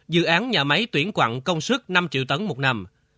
dự án nhà máy tuyển quặng công suất năm triệu tấn một năm